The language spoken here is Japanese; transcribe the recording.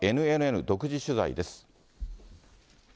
ＮＮＮ独自取材です。